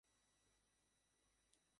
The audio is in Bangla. এগুলো বেশি লম্বা হয়না।